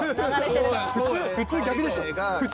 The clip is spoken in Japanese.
いや、普通逆でしょ。